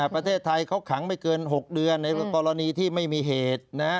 ประเทศไทยเขาขังไม่เกิน๖เดือนในกรณีที่ไม่มีเหตุ